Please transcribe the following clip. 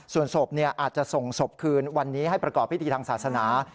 ส่วนศพอาจจะส่งศพคืนวันนี้ให้ประกอบพิธีทางศาสนา